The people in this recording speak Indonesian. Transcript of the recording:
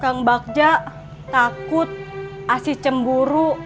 kang bacca takut asih cemburu